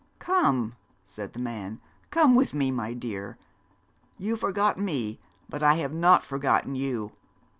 'Come,' said the man, 'come with me, my dear. You forgot me, but I have not forgotten you.